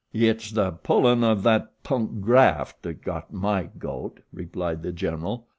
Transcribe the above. "It's the pullin' of that punk graft that got my goat," replied The General.